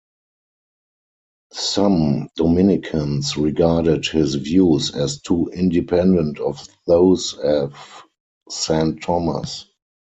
Some Dominicans regarded his views as too independent of those of Saint Thomas.